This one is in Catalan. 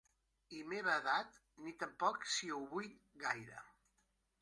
I meva edat, ni tampoc si ho vull gaire.